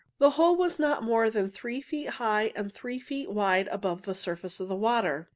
The hole was not more than three feet high and three feet wide above the surface of the water.